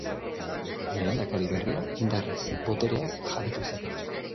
Lehendakari berria indarrez botereaz jabetu zen.